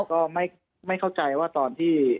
ก็ไม่เข้าใจว่าตอนที่